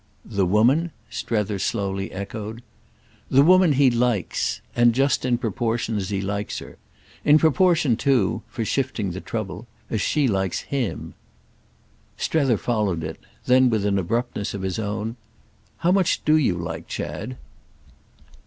"The 'woman'—?" Strether slowly echoed. "The woman he likes—and just in proportion as he likes her. In proportion too—for shifting the trouble—as she likes him." Strether followed it; then with an abruptness of his own: "How much do you like Chad?"